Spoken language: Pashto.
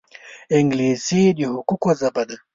انګلیسي د حقوقو ژبه ده